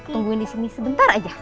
tungguin di sini sebentar aja